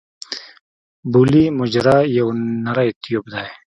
بولي مجرا یو نری ټیوب دی.